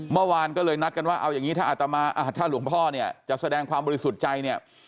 เมื่อวานก็เลยนัดกันว่าเอาอย่างนี้ถ้าอาตมาถ้าหลวงพ่อเนี่ยจะแสดงความบริสุทธิ์ใจเนี่ย